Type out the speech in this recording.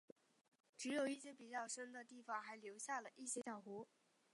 只有一些比较深的地方还留下了一些小湖。